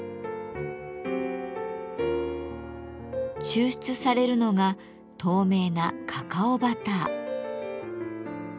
抽出されるのが透明な「カカオバター」。